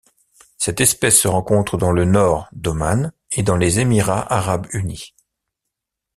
Cette espèce se rencontre dans le Nord d'Oman et dans les Émirats arabes unis.